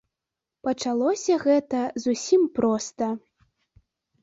Пачалося гэта зусім проста.